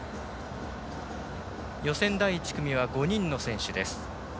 予選第１組は５人の選手です。